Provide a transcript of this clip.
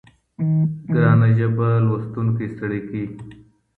ګرانه ژبه لوستونکی ستړی کوي.